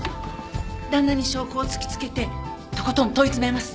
旦那に証拠を突きつけてとことん問い詰めます。